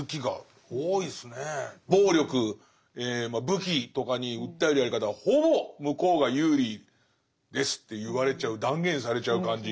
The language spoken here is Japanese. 暴力武器とかに訴えるやり方はほぼ向こうが有利ですって言われちゃう断言されちゃう感じっていう。